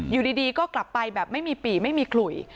อยู่ดีก็กลับไปแบบไม่มีปี่ไม่มีขลุย